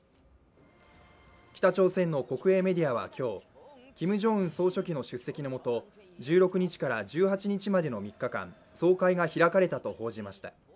北朝鮮の国営メディアは今日、キム・ジョンウン総書記の出席もと１６日から１８日までの３日間、総会が開かれたと報じました。